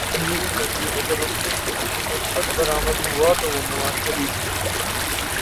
میرے نزدیک اگر اس میں سے کچھ مثبت برآمد ہوا تو وہ نواز شریف ہیں۔